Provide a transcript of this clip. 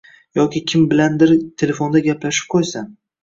yoki kim bilandir telefonda gaplashib qo‘ysa